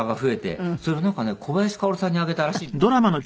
それをなんかね小林薫さんにあげたらしいんですよ。